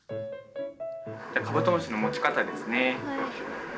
カブトムシの持ち方ですね。